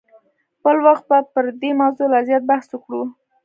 بل وخت به پر دې موضوع لا زیات بحث وکړو.